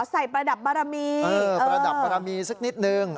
ประดับบารมีประดับบารมีสักนิดนึง